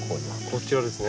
こちらですね。